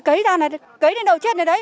cấy ra này cấy đến đâu chết đến đấy